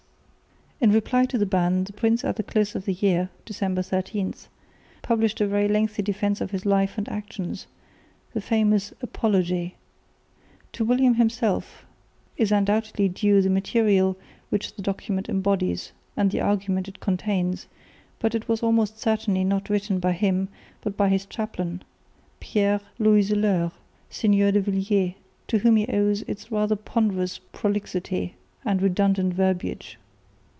In reply to the ban the prince at the close of the year (December 13) published a very lengthy defence of his life and actions, the famous Apology. To William himself is undoubtedly due the material which the document embodies and the argument it contains, but it was almost certainly not written by him, but by his chaplain, Pierre L'Oyseleur, Seigneur de Villiers, to whom it owes its rather ponderous prolixity and redundant verbiage.